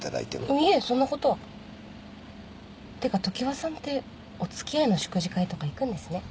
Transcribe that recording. いえそんなことは。ってか常葉さんってお付き合いの食事会とか行くんですね。